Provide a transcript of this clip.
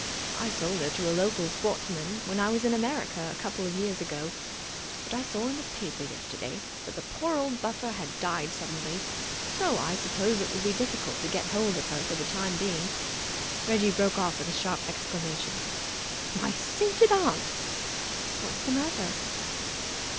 I sold her to a local sportsman when I was in America a couple of years ago. But I saw in the paper yesterday that the poor old buffer had died suddenly, so I suppose it would be difficult to get hold of her for the time being." Reggie broke off with a sharp exclamation. "My sainted aunt!" "What's the matter?"